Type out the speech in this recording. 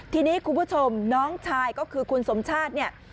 ทีนี้คุณผู้ชมน้องชายก็คือคุณสมชาติเนี่ย